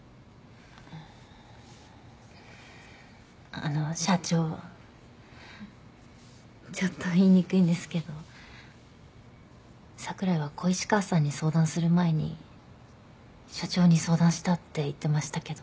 あの社長ちょっと言いにくいんですけど櫻井は小石川さんに相談する前に社長に相談したって言ってましたけど。